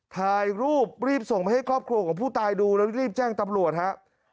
ถ่ายรูปรีบส่งมาให้ครอบครัวของผู้ตายดูแล้วรีบแจ้งตำรวจฮะ